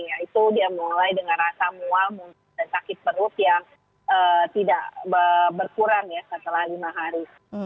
yaitu dia mulai dengan rasa mual dan sakit perut yang tidak berkurang ya setelah lima hari